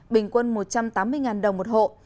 bình quân một trăm tám mươi đồng một hộ